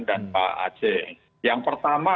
dan pak aceh yang pertama